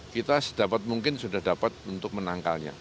kita sedapat mungkin sudah dapat untuk menangkalnya